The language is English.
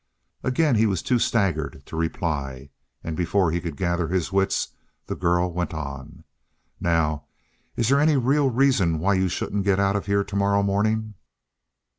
Again he was too staggered to reply. And before he could gather his wits, the girl went on: "Now, is they any real reason why you shouldn't get out of here tomorrow morning?"